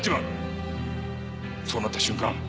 そうなった瞬間